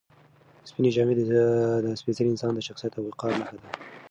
سپینې جامې د سپېڅلي انسان د شخصیت او وقار نښه ده.